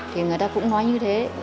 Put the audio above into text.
thì người ta cũng nói như thế